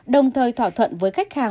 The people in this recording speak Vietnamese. đồng thời thỏa thuận với khách hàng